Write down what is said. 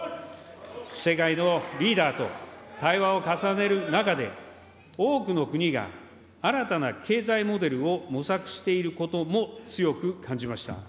世界のリーダーと対話を重ねる中で、多くの国が新たな経済モデルを模索していることも強く感じました。